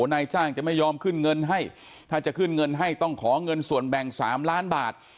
นายจ้างจะไม่ยอมขึ้นเงินให้ถ้าจะขึ้นเงินให้ต้องขอเงินส่วนแบ่ง๓ล้านบาท